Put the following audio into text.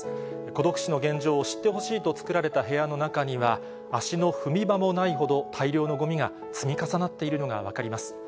孤独死の現状を知ってほしいと作られた部屋の中には、足の踏み場もないほど大量のごみが積み重なっているのが分かります。